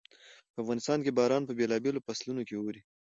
په افغانستان کې باران په بېلابېلو فصلونو کې اوري.